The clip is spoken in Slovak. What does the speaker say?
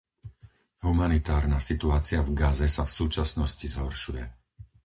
Humanitárna situácia v Gaze sa v súčasnosti zhoršuje.